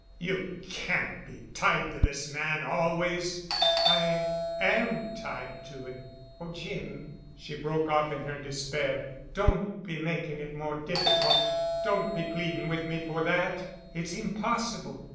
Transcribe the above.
"You can't be tied to this man always——" "I am tied to him. Oh, Jim—!" she broke off in her despair. "Don't be making it more difficult—don't be pleading with me for that—it's impossible.